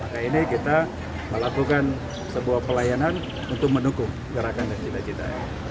nah ini kita melakukan sebuah pelayanan untuk mendukung gerakan dan cita cita